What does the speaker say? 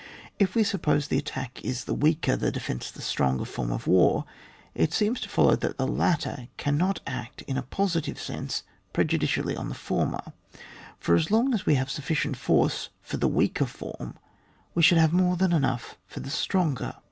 If we suppose the attack is the weaker, the defence the stronger form of war, it seems to follow that the latter can not act in a positive sense pre judicially on the former ; for as long as we have sufficient force for the weaker form, we should have more than enough for the stronger.